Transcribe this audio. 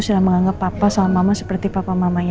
sudah menganggap papa sama mama seperti papa mamanya